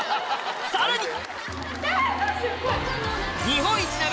さらに！